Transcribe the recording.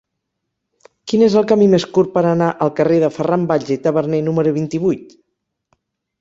Quin és el camí més curt per anar al carrer de Ferran Valls i Taberner número vint-i-vuit?